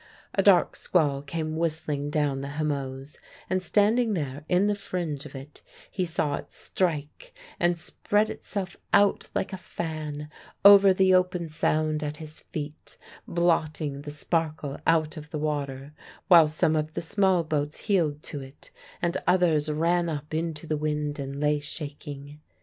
A dark squall came whistling down the Hamoaze; and standing there in the fringe of it he saw it strike and spread itself out like a fan over the open Sound at his feet, blotting the sparkle out of the water, while some of the small boats heeled to it and others ran up into the wind and lay shaking.